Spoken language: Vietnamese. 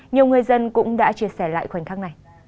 nhiều người dân cũng đã chia sẻ lại khoảnh khắc này